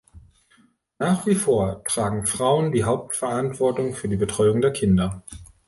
Nach wie vor tragen Frauen die Hauptverantwortung für die Betreuung der Kinder.